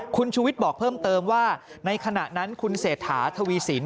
คุณชูวิทย์บอกเพิ่มเติมว่าในขณะนั้นคุณเศรษฐาทวีสิน